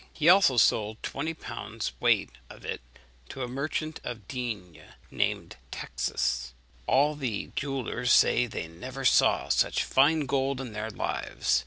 He also sold twenty pounds weight of it to a merchant of Digne, named Taxis. All the jewellers say they never saw such fine gold in their lives.